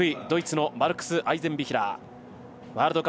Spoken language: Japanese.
ドイツのマルクス・アイゼンビヒラー。